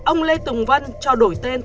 ông lê tùng vân cho đổi tên